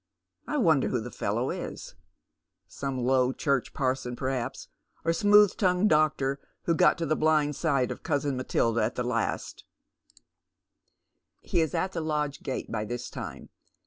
I wonder who the fellow is ? Some Low Church parson, perhaps, or smooth tongued doctor, who got to the blind side of cousin Matilda at the last" 154 Bead MerCs SJioei. He is at the lodge gate by this time.